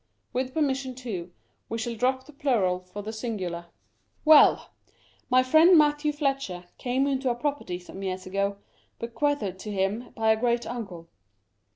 With permission, too, we shall drop the plural for the singular. Well ! My friend Matthew Fletcher came into a property some years ago, bequeathed to him by a great uncle.